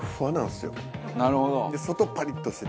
で外パリッとしてて。